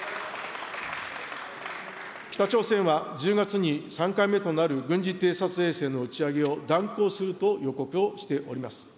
北朝鮮は１０月に３回目となる軍事偵察衛星の打ち上げを断行すると予告をしております。